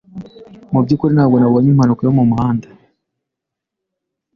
Mubyukuri, ntabwo nabonye impanuka yo mumuhanda.